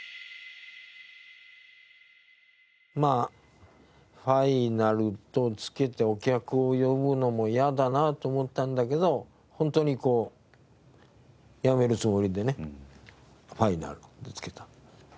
まあファイナルと付けてお客を呼ぶのも嫌だなと思ったんだけどホントにこうやめるつもりでねファイナルって付けた。